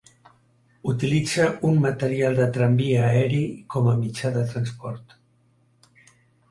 Utilitza un material de tramvia aeri com a mitjà de transport.